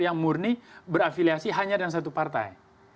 yang murni berafiliasi hanya dengan satu partai